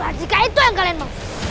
nah jika itu yang kalian mau